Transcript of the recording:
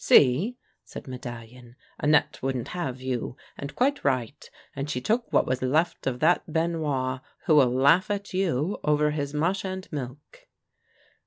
" See," said Medallion, " Annette wouldn't have you — and quite right — and she took what was left of that Benoit, who'll laugh at you over his mush and milk."